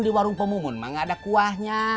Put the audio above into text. di warung pemumun mah nggak ada kuahnya